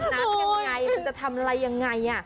มันจะกินน้ำกันไงมันจะทำอะไรยังไง